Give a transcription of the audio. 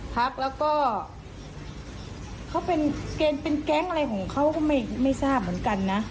พักแล้วก็เขาเป็นเกณฑ์เป็นแก๊งอะไรของเขาก็ไม่ทราบเหมือนกันนะ